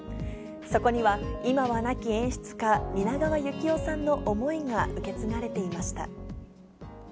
そこには、今は亡き演出家、蜷川幸雄さんの思いが受け継がれていました。